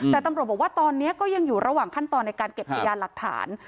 แต่ตำรวจบอกว่าตอนนี้ก็ยังอยู่ระหว่างขั้นตอนในการเก็บพยานหลักฐาน